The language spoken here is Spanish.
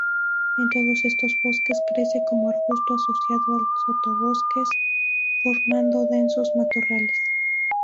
En todos estos bosques crece como arbusto asociado al sotobosque formando densos matorrales.